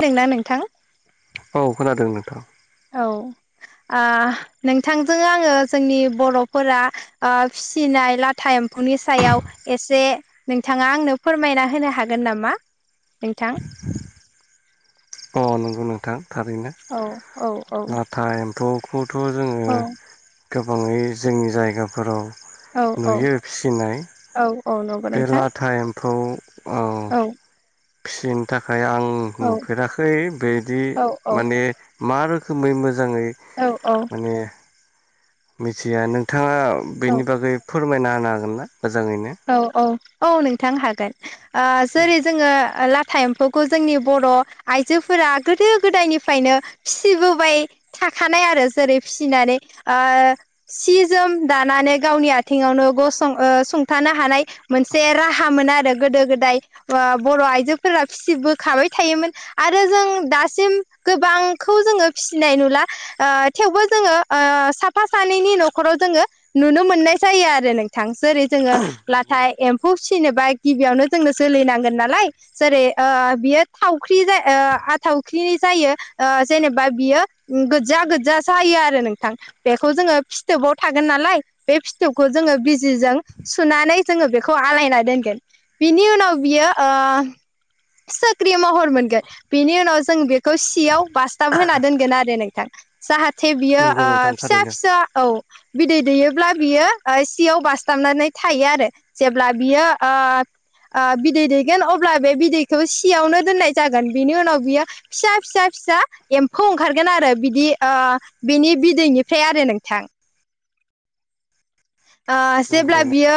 नोंना नोंथां औ खोनादों नोंथां। औ ओ नोंथांजों आङो जोंनि बर'फोरा ओ फिसिनाय लाथा ए म्फौनि सायाव एसे नोंथाङा आंनो फोरमायना होनो हागोन नामा? नोंथां अ नंगौ नोंथां थारैनो औ औ औ लाथा एम्फौ- थ' जोङो औ गोबाङै जोंनि जायगाफोराव औ नुयो फिसिनाय औ औ नंगौ नोंथां बेला टाइमखौ औ फिसिनो थाखाय आं औ नुफेराखै बेदि औ माने मा रोखोमै मोजांङै औ औ माने मिथिया नोंथाङा औ बेनि बागै फोरमायना होनो हागोन ना? मोजाङैनो औ औ औ नोंथां हागोन ओ जेरै जोंङो ओ ला था एम्फौखौ जोंनि बर' आइजोफोरा गोदो गोदायनिफ्रायनो फिसिबोबाय था थाखानाय आरो जेरै फिनानै आ सि जोम दानानै गावनि आथिंङावनो ग सं ओ सुंथानो हानाय मोनसे राहामोन आरो गोदो गोदाय ओ बर' आइजोफोरा फिसिबोखाबाय थायोमोन आरो जों दासिम गोबांखौ जोंङो फिसिनाय नुला ओ थेवबो जोङो ओ साफा सानैनि न'खराव जोंङो नुनो मोननाय जायो आरो नोंथां जेरै जोंङो लाथा एम्फौ फिसिनोबा गिबियावनो जोंनो जोलैनांगोन नालाय जेरै ओ बि यो थावख्रि जायो ओ आ थावख्रि जायो ओ जेनेबा बियो गोजा गोजा जायो जायो आरो नोंथां बेखौ जोंङो फिथोबाव थागोन नालाय बे फिथोबखौ जोङो बिजिजों सुनानै जोङो बेखौ आलायना दोनगोन बिनि उनाव बियो ओ सिख्रि महर मोनगोन बेनि उनाव जों बेखौ सियाव बासथाब होना दोनगोन आरो नोंथां जाहाथे थे बियो नंगौ नोंथां नंगौ आ नोंथां फिसा थारैनो फिसा औ बिदै दैयोब्ला बियो ओ सियाव बासथाबनानै थायो आरो जेब्ला बियो आ आ बिदै दैगोन अब्ला बे बिदैखौ सियावनो दोननाय जागोन बिनि उनाव बियो फिसा फिसा फिसा एम्फौ ओंखारगोन आरो बिदि आ बिनि बिदैनिफ्राय आरो नोंथां ओ नंगौ जेब्ला बियो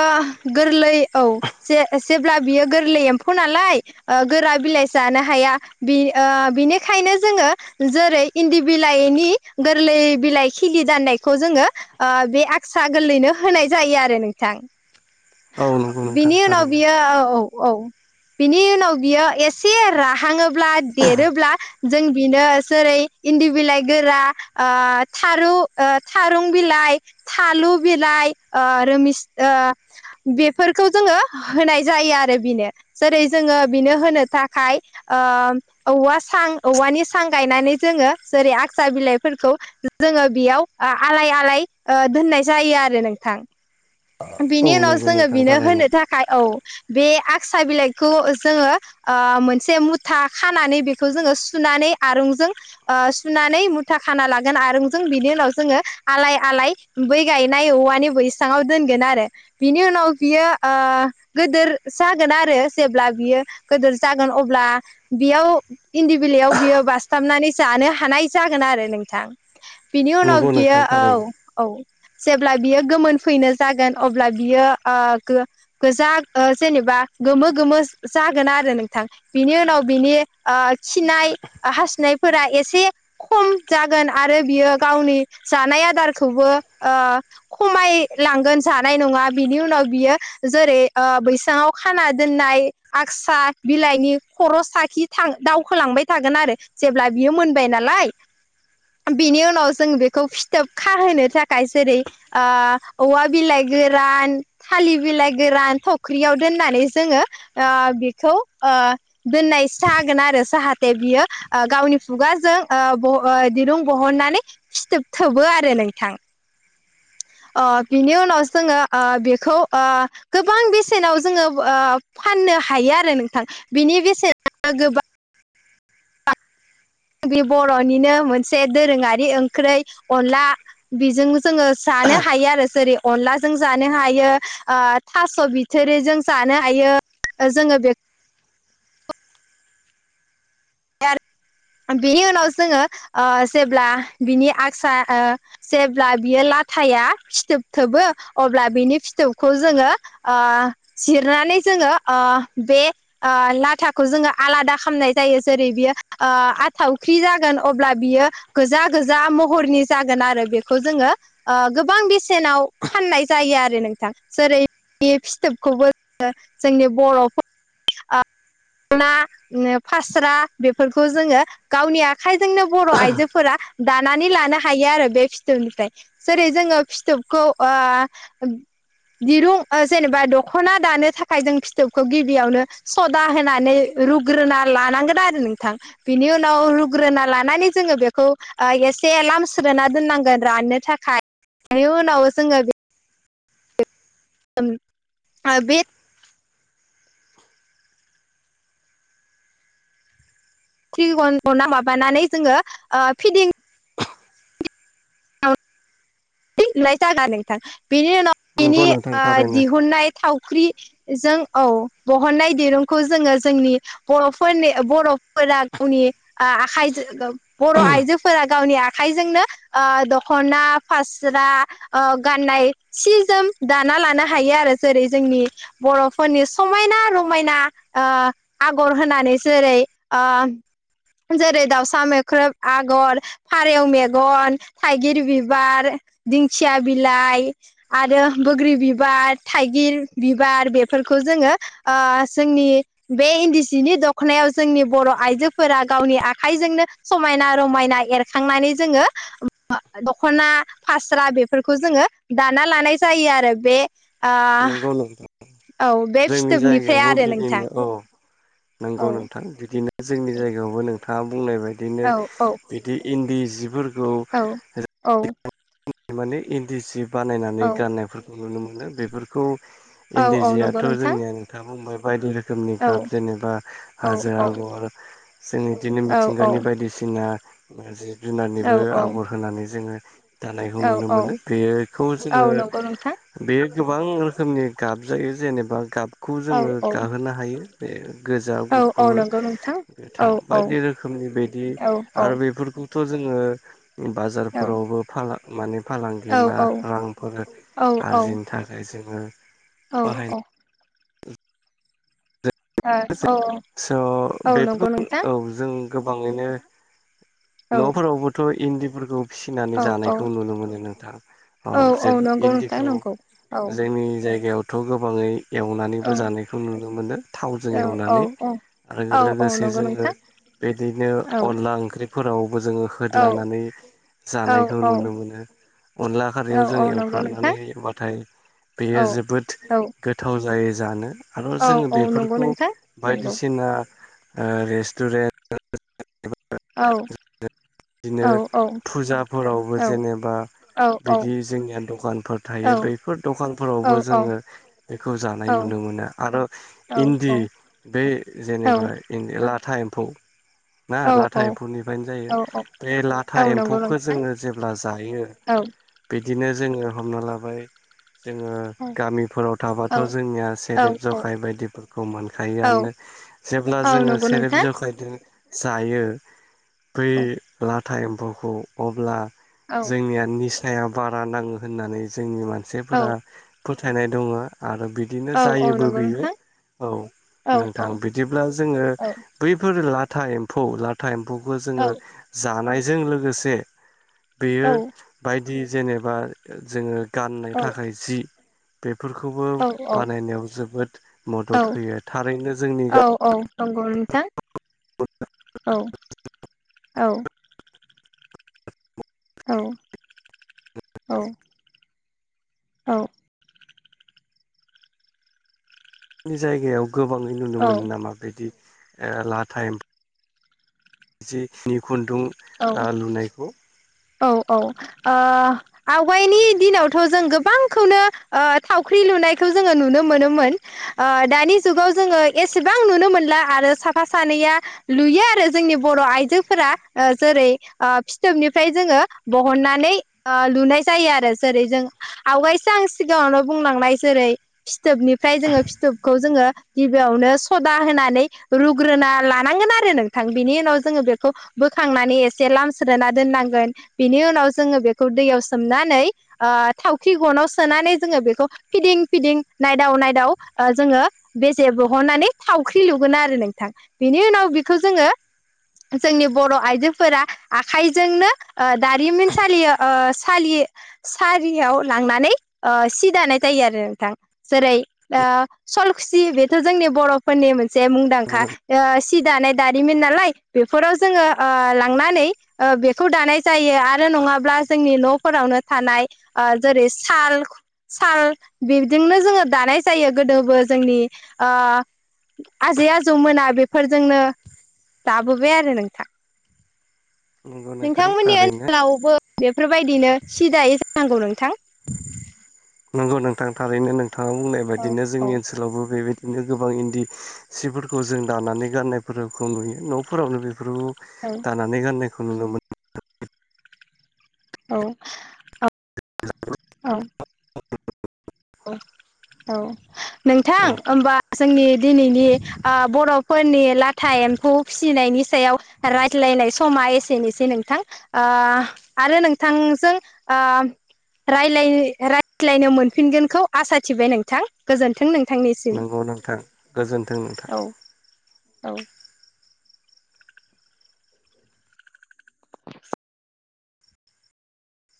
गोरलै औ जे-जेब्ला बियो गोरलै एम्फौ नालाय ओ गोरा बिलाइ जानो हाया या बि ओ बिनिखायनो जोङो जेरै इन्दि बिलाइनि गोरलै बिलाइ खिलि दाननायखौ जोङो ओ बे आगस्रा गोरलैनो होनाय जायो आरो नोंथां औ नंगौ नोंथां बिनि उनाव थारैनो बियो औ औ औ बिनि उनाव बियो एसे राहाङोब्ला देरोब्ला जों बिनो जेरै इन्दि बिलाइ गोरा ओ थारु ओ थारुं बिलाइ थालु बिलाइ लाइ ओ रोमिस ओ बेफोरखौ जोङो होनाय जायो आरो बेनो जेरै जोंङो बेनो होनो थाखाय ओ औवा सां औवानि सां गायनानै जोङो जेरै आगसा बिलाइफोरखौ जोङो बेयाव आ आलाय आलाय ओ दोननाय जायो आरो नोंथां औ बिनि नंगौ उनाव जोङो नोंथां बिनो थारैनो होनो थाखाय औ बे आगसा बिलाइखौ जोंङो ओ मोनसे मुथा खानानै बेखौ जोङो सु नानै आरुजों ओ सुनानै मुथा खानालागोन आरूंजों बिनि उनाव जोंङो आलाइ आलाइ नाय बै गायनाय औवानि बैसाङाव दोनगोन आरो बिनि उनाव बियो ओ गोदोर जागोन आरो जेब्ला बियो गोदोर जागोन अब्ला बेयाव इन्दि बिलाइयाव बियो बासथाबनानै जानो हानाय जागोन आरो आरो नोंथां बिनि उनाव नंगौ बियो नोंथां औ थारैनो औ जेब्ला बियो गोमोन फैनो जागोन अब्ला बियो ओ गो-गोजा ओ जेनेबा गोमो गोमो जागोन आरो आरो नोंथां बिनि उनाव बिनि ओ खिनाय हासुनायफोरा एसे खम जागोन आरो बियो गावनि जानाय आदारखौबो ओ खमाय लांगोन जानाय नङा बिनि उनाव बियो जेरै ओ बैसांङाव खाना दोननाय आकस स्रा बिलाइनि खर' साखि थां दावखोलांबाय थागोन आरो जेब्ला बियो मोनबाय नालाय [inaudible] बिनि उनाव जों बेखौ फिथोब खाहोनो थाखाय जेरै ओ औवा बिलाइ गोरान थालिर बिलाइ गोरान थख्रियाव दोननानै जोंङो ओ बेखौ ओ दोननाय जागोन आरो जाहाथे बियो ओ गावनि खुगाजों ओ ब ओ दिरुं बहननानै सिथोब थोबो आरो नोंथां [inaudible] अ बिनि उनाव जोङो आ बेखौ आ गोबां बेसेनाव जोङो आ फानो हायो आरो नोंथां बिनि बेसेना गोबा बे बर'निनो मोनसे दोरोङारि ओंख्रै अनला बेजों जोङो जानो हायो आरो जेरै अनलाजों जानो हायो ओ थास' बिथ जेरै जों जानो हायो जोङो बेख [inaudible] बिनि उनाव जोङो ओ जेब्ला बिनि आक्सा ओ जेब्ला बियो ला थाया फिथोब थोबो अब्ला बिनि फिथोबखौ जोङो ओ जिरनानैज जोङो ओ ब ओे लाथाखौ जोङो आलादा खालामनाय जायो जेरै बियो ओ आथावख्रि जागोन अब्ला बियो गोजा गोजा महरनि जागोन आरो बेखौ जोङो ओ गोबां बेसेनाव फाननाय जायो आरो नोंथां जेरै बे फिथोबखौबो जोंनि बर'फो ओ [unintelligible] फोरखौ जोङो गावनि आखाइजोंनो बर' आइजोफोरा दानानै लानो हायो आरो बे फिथोबनिफ्राय जेरै जोङो फिथोबखौ ओ दिरुं ओ जेनेबा दख'ना दानो थाखाय जों फिथोबखौ गिबियावनो सदा होनानै रुग्रोना लानांगोन आरो नों थां बिनि उनाव रुग्रोना लानानै जोङो बेखौ ओ एसे लामस्रोना दोननांगोन रा ननो थाखाय बेनि उनाव जोङो बे [unintelligible] थि गना माबानानै जोङो ओ फिदिं [unintelligible] बेनि उनाव नंगौ बिनि नोंथां ओ थारैनो दिहुननाय थावख्रि। जों औ बहननाय दिरुंखौ जोङो जोंनि बर'फोरनि बर'फोरा गनि आ आखायज बर' आइजोफोरा गावनि आखाइजोंनो ओ दख'ना फास्रा ओ गाननाय सि जोम दाना लानो हायो आरो। जेरै जोंनि बर'फोरनि समायना रमायना ओ आगर होनानै जेरै रै ओ जेरै दाउसा मोख्रब आगर फारेव मेगन। थाइगिर बिबार दिंखिया बिलाइ आरो बोग्रि बिबार थाय गिर बिबार बेफोरखौ जोङो ओ जोंनि बे इन्दि जिनि दख'नायाव जो जोंनि बर' आइजोफोरा गावनि आखाइजोंनो समायना रमायना एरखांनानै जोङो दखना फास्रा बेफोरखौ जोङो दाना लानाय जायो आरो बे ओ नोंगौ नोंगौ औ बे जोंनि फिथोबनिफ्राय जायगायावबो आरो नोंथां बिदिनो औ औ नंगौ नोंथां बिदिनो। जोंनि जायगायावबो नोंथाङा बुंनाय बायदिनो औ औ बिदि इन्दि जिफोरख औ औ। माने इन्दि सि बानायनानै औ गाननायफोरखौ नुनो मोनो बेफोरखौ औ इन्दि औ नंगौ जियाथ' नोंथां जोंनिया नोंथाङा बुंबाय बायदि रोखो रोखोमनि औ गाब जेनेबा औ हाजो औ आगर जों बिदिनो मिथिंगानि बायदिसिना जिब जुनारनिबो औ आगर होनानै जोङो दानायखौ औ नुनो औ मोनो बेखौ औ जोङो नंगौ नोंथां बे गोबां रोखोमनि गाब जायो जेनेबा गाब खौ औ जोङो औ गाहोनो हायो बे गोजा औ औ गुफुर। नंगौ नोंथां औ गोथां औ बायदि रोखोमनि बायदि औ औ आरो बेफोरखौब थ' जोङो औ बाजारफोरावबो फाना माने औ फालांगि मा रांफोर आरजिनो थाखाय जोङो। औ बाहाय औ। औ औ स' औ नंगौ बेफोरखौ नोंथां औ जों। गोबाङैनो औ न'फोरावबोथ' इन्दिफोरखौ औ फिसिनानै जानायखौ नुनो मोनो नोंथां औ जे नंगौ नोंथां इन्दिखौ नंगौ औ जोंनि जायगायावथ' गोबाङै औ एवनानैबो जानायखौ नुनो मोनो थाद औ एवनानै औ आरो औ लोगोसे नंगौ जोङो नोंथां बिदिनो औ अनला ओंख्रि खौ जोङो औ होदलानानै औ जानायखौ औ नुनो मोनो अनला खारैयाव औ जों नंगौ एवफ्राननानै नोंथां होबाथाय औ बेयो जोबोद औ गोथाव जायो जानो आरो औ जोङो औ नंगौ बेफोरखौ नोंथां नंगौ बायदिसिना- ओ रेस्टुरेन्ट औ बिदिनो औ औ फुजाफोरावबो जेनेबा औ औ बिदि जोंनिया दखानफोर थायो औ बैफोर औ दखानफोरावबो औ जोङो बेखौ जानाय नु नुनो मोना आरो औ इन्दि बे जेनेबा लाथा एम्फौ ना औ लाथा औ एम्फौनिफ्रायनो जायो औ बे औ लाथा नंगौ एम्फौखो नोंथां जोङो जेब्ला जायो औ बिदिनो जोङो हमना लाबाय जोङो औ गामिफोराव औ थाबाथ' जोंनिया औ सेरेब जखाय बायदिफोरखौ मोन औ यानो जेब्ला औ जोङो नंगौ सेरेब नोंथां जखायदों जायो बै औ लाथा एम्फौखौ अब्ला औ जोंनिया निस- साया बारा नाङो होननानै जोंनि औ मानसिफोरा फोथायनाय दङ आरो बिदिनो औ औ जायोबो नंगौ बियो नोंथां औ औ औ नोंथां बिदिब्ला जोङो औ बैफोर लाथा एम्फौ लाथा एम फौखौ औ जोङो जानायजों लोगोसे बेयो बायद दि जेनेबा जोङो गाननो थाखाय जि बेफ फोरखौबो औ बानायनायाव जोबोद औ मदद औ होयो थारैनो जोंनि गामि नंगौ नोंथां औ औ औ औ औ नि जायगायाव गोबाङै नुनो मोनो औ नामा बिदि ओ लाथा एम जिखिनि खुन्दुं औ औ ओ लुनायखौ औ औ ओ आवगायनि दिनावथ' जों गोबांखौनो ओ थावख्रि लुनायखो खो जोङो नुनो मोनोमोन ओ दानि जुगाव जोङो एसेबां नुनो मोनला आरो साफा सानै या दा लुयो आरो जोंनि बर' आइजोफोरा ओ जेरै ओ फिथोबनि फ्राइ जोङो बहननानै ओ लुनाय जायो आरो जेरै जों आवगायसो आंगाङावनो बुं बुंलांनाय जेरै फिथोबनिफ्राय जोङो फिथोबखौ जोङो गिबियावनो सदा होनानै रुग्रोना लानांगोन आरो नोंथां बिनि उनाव जोङो बेखौ बोखांनानै एसे लामस्रोना दोननांग गोन बिनि उनाव जोङो बेखौ दैयाव सोमनानै ओ थावखि गनाव सोनानै जोङो बेखौ फिदिं फिदिं नायदाव नायदाव ओ जोङो बेजे बहननानै थावख्रि लुगोन आरो नों थां बिनि उनाव बेखौ जोङो जोंनि बर' आइजोफोरा आखाइजोंनो ओ दारिमिन सालि ओ सालि सारियाव लांनानै ओ सि दानाय जायो आरो नोंथां जेरै ओ सलखुसि बेथ' जोंनि बर'निफोरनि मोन जे मुंदांखा ओ सि दानाय दारिमिन नालाय बेफोराव जोङो ओ लांनानै ओ बेफ खौ दानाय जायो आरो नङाब्ला जोंनि न'फोरावनो थानाय ओ जेरै साल साल बिबदोंनो जोङो दानाय जायो गोदोबो जोंनि ओ आजै आजौ मोना बेफोरजोंनो दाबोबाय आरो नोंथां ओम नोंथांमोननि ओनसोलावबो बेफोरबायदिनो सि दायो जानांगौ नोंथां नंगौ नोंथां थारैनो नोंथाङा बुंनाय औ बायदिनो जोंनि औ ओनसोलावबो बेबायदि बिदिनो गोबां इन्दि सिफोरखौ जों दानानै गाननायफोरखौ नुयो न'फोरावनो बे बेफोर दानानै गाननायखौ नुनो मोनो औ औ औ औ नोंथां औ होमबा जोंनि दिनैनि ओ बर' फोरनि लाथा एम्फौ फिसिनायनि सायाव रायज्लायनाय समा एसेनोसै नोंथां ओ आ आरो नोंथांजों आ रायलाय रायज्लायनो मोनफिनगोनखौ आसा थिबाय नोंथां गोजोनथों नों नंगौ नोंथां गोजोनथों नोंथां औ औ [inaudible]